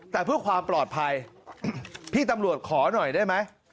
แต่เพื่อความปลอดภัยพี่ตำรวจขอหน่อยได้ไหม